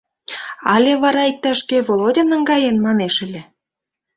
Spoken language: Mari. Але вара иктаж-кӧ «Володя наҥгаен» манеш ыле?..